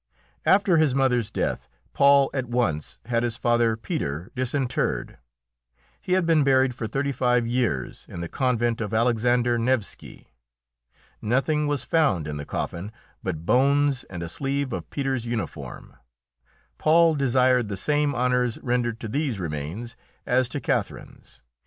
After his mother's death, Paul at once had his father Peter disinterred; he had been buried for thirty five years in the convent of Alexander Nevski. Nothing was found in the coffin but bones and a sleeve of Peter's uniform. Paul desired the same honours rendered to these remains as to Catherine's.